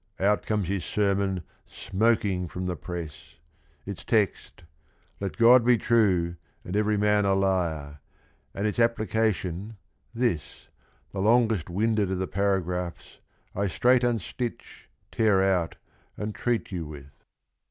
Out comes his sermon smoking from the press : Its text, — 'Let God be true, and every man A liar,' — and its application, this, The longest winded of the paragraphs, I straight unstitch, tear out and treat you with."